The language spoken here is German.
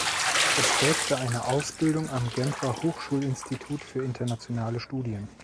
Es folgte eine Ausbildung am Genfer Hochschulinstitut für internationale Studien.